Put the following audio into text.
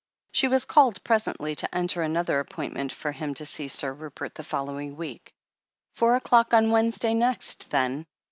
She was called presently to enter another appoint ment for him to see Sir Rupert the following week. "Four o'clock on Wednesday next, then.